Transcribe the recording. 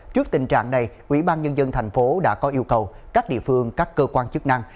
trước tình trạng này ubnd tp đã có yêu cầu các địa phương các cơ quan chức năng